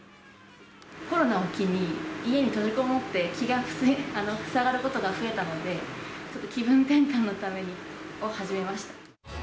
コロナを機に、家に閉じこもって、気がふさがることが増えたので、ちょっと気分転換のために始めました。